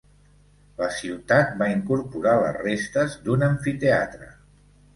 La ciutat va incorporar les restes d’un amfiteatre.